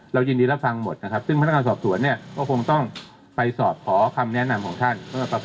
ยินดีรับฟังหมดนะครับซึ่งพนักงานสอบสวนเนี่ยก็คงต้องไปสอบขอคำแนะนำของท่าน